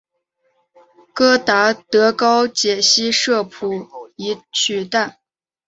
戈达德高解析摄谱仪取代。